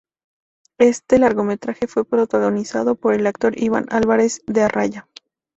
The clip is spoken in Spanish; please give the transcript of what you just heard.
Este largometraje fue protagonizado por el actor Iván Álvarez de Araya.